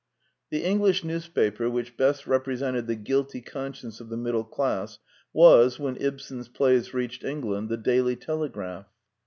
The English newspaper which best represented the guilty conscience of the middle dass, was, when Ibsen's plays reached England, The Daily Telegraph.